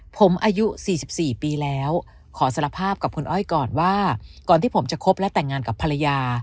ผมอายุ๔๔ปีแล้วขอสารภาพกับคุณอ้อยก่อนว่าก่อนที่ผมจะคบและแต่งงานกับภรรยา